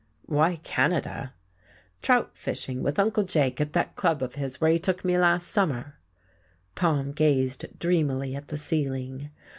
"Why Canada?" "Trout fishing with Uncle Jake at that club of his where he took me last summer." Tom gazed dreamily at the ceiling.